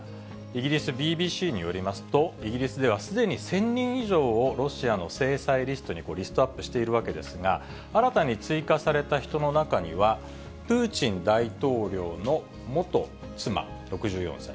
イギリスＢＢＣによりますと、イギリスではすでに１０００人以上をロシアの制裁リストにリストアップしているわけですが、新たに追加された人の中には、プーチン大統領の元妻６４歳。